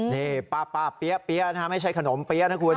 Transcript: นี่ป้าบป้าบเปี้ยนะครับไม่ใช่ขนมเปี้ยนะคุณ